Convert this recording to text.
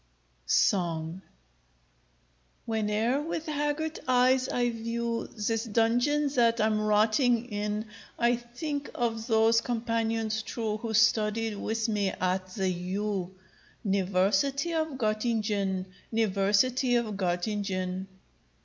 '_] SONG Whene'er with haggard eyes I view This dungeon that I'm rotting in, I think of those companions true Who studied with me at the U niversity of Gottingen, niversity of Gottingen.